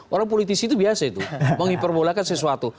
orang politisi itu biasa itu menghiperbolakan sesuatu